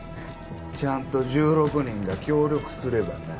ちゃんと１６人が協力すればな。